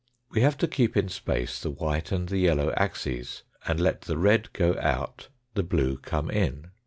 We have to keep in space the white and the yellow axes, and let the red go out, the blue come in.